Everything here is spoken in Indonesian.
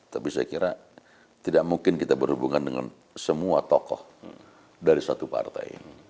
tapi saya kira tidak mungkin kita berhubungan dengan semua tokoh dari satu partai